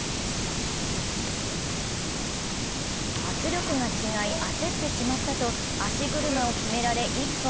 圧力が違い焦ってしまったと足車を決められ、一本。